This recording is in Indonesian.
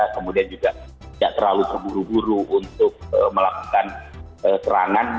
kemudian juga tidak terlalu terburu buru untuk melakukan serangan